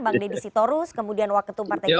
bang deddy sitorus kemudian wak ketum partai indra